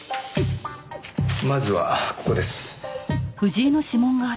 まずはここです。